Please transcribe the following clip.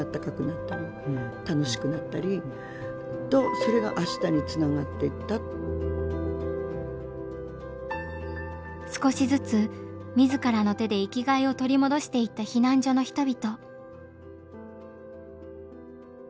それをまずできない状況の中で少しずつ自らの手で生きがいを取り戻していった避難所の人々。